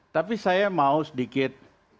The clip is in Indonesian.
tapi saya mau sedikit